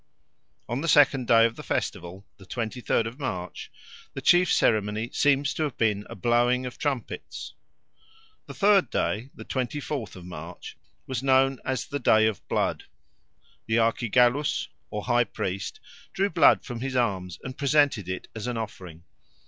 On the second day of the festival, the twenty third of March, the chief ceremony seems to have been a blowing of trumpets. The third day, the twenty fourth of March, was known as the Day of Blood: the Archigallus or highpriest drew blood from his arms and presented it as an offering.